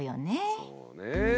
そうね。